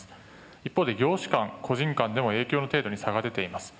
一方で業種間、個人間でも影響の程度に差が出ています。